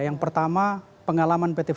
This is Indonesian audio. yang pertama pengalaman berikutnya